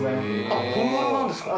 あっ本物なんですか？